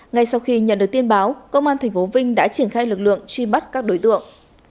ngay sau khi nhận được tin báo công an tp vinh đã triển khai lực lượng truy bắt các đối tượng